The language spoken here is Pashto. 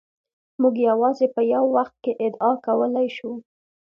موږ یوازې په یو وخت کې ادعا کولای شو.